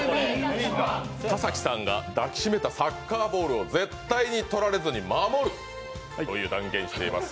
田崎さんが抱きしめたサッカーボールを絶対に取られずに守ると断言しています。